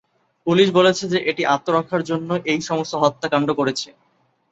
Police বলেছে যে এটি "আত্মরক্ষার জন্য" এই সমস্ত হত্যাকাণ্ড করেছে।